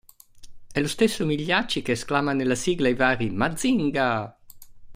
È lo stesso Migliacci che esclama nella sigla i vari "Mazinga!".